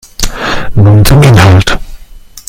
Nun zum Inhalt.